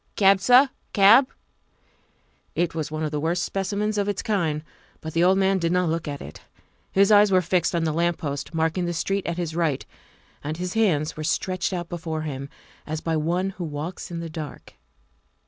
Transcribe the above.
" Cab, suh, cab?" It was one of the worst specimens of its kind, but the old man did not look at it. His eyes were fixed on the lamp post marking the street at his right and his hands were stretched out before him as by one who walks in the dark.